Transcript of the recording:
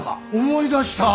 思い出した！